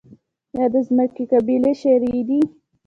آیا د ځمکې قبالې شرعي دي؟